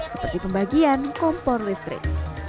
seperti pembagian kompor listrik